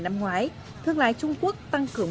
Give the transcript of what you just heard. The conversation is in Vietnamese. năm ngoái thương lái trung quốc tăng cường